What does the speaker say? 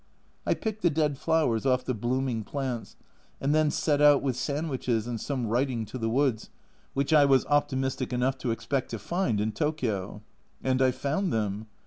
I picked the dead flowers off the blooming plants, and then set out with sand wiches and some writing to the woods, which I was optimistic enough to expect to find in Tokio ! And I found them